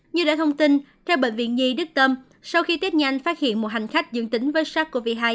như đã thông tin theo bệnh viện nhi đức tâm sau khi tết nhanh phát hiện một hành khách dương tính với sars cov hai